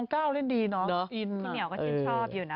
พี่เหนียวก็ชินชอบอยู่นะ